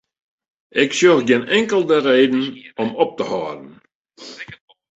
Ik sjoch gjin inkelde reden om op te hâlden.